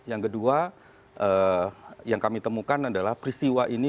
yang kedua yang kami temukan adalah peristiwa ini